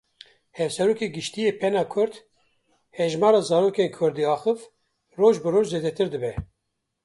Hevserokê Giştî yê Pena Kurd, Hejmara zarokên kurdîaxiv roj bi roj zêdetir dibe.